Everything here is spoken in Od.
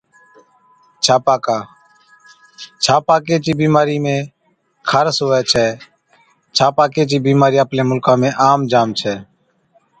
ڇاپاڪا Urticaria، ڇاپاڪي چِي بِيمارِي ۾ خارس هُوَي ڇَي، ڇاپاڪي چِي بِيمارِي آپلي مُلڪا ۾ عام جام ڇَي۔